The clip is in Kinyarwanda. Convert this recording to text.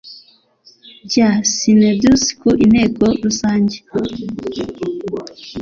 Bya syneduc ku inteko rusange